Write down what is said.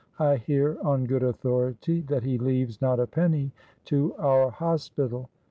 I hear on good authority that he leaves not a penny to our hospital.